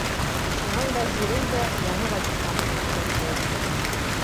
Шунан вәзирен дә яңы вазифа менән бүләкләй.